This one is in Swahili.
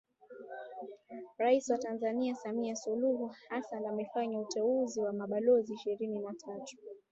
Rais wa Tanzania Samia Suluhu Hassan amefanya uteuzi wa mabalozi ishirini na tatu